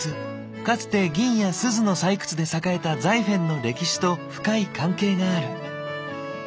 かつて銀やスズの採掘で栄えたザイフェンの歴史と深い関係がある。